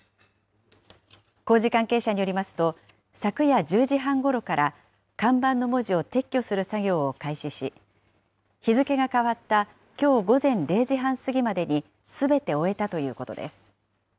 工事関係者によりますと、昨夜１０時半ごろから看板の文字を撤去する作業を開始し、日付が変わったきょう午前０時半過ぎまでにすべて終えたということです。